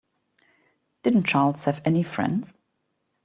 Didn't Charles have any friends?